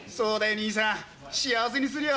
兄さん幸せにするよ！